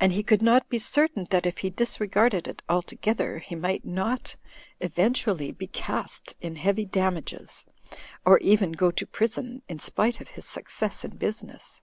And he could not be certain that if he disregarded it altogether, he might not eventu ally be cast in heavy damages— or even go to prison, in spite of his success in business.